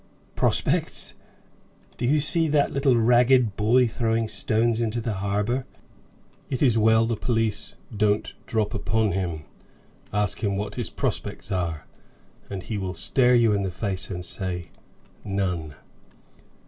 "Prospects! Do you see that little ragged boy throwing stones into the harbor? it is well the police don't drop upon him, ask him what his prospects are, and he will stare you in the face, and say, 'None.